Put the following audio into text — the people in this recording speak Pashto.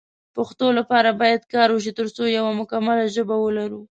پښتو لپاره باید کار وشی ترڅو یو مکمله ژبه ولرو